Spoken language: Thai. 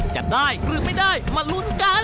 จะได้หรือไม่ได้มาลุ้นกัน